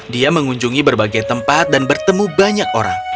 dia mengunjungi berbagai tempat dan bertemu banyak orang